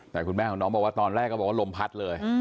แต่คุณแม่ของเราเบาประจำตอนแรกเขาบอกว่าลมพัดเลย